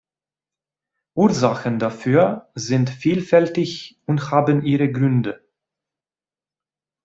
Ursachen dafür sind vielfältig und haben ihre Gründe.